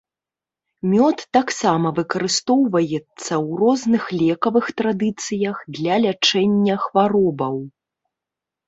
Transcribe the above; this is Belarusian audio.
Мёд таксама выкарыстоўваецца ў розных лекавых традыцыях для лячэння хваробаў.